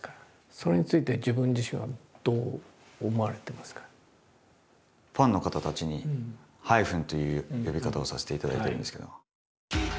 それについて自分自身はどう思われてますか？という呼び方をさせていただいてるんですけど。